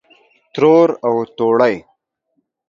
ترور او توړۍ